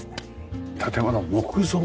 建物は木造？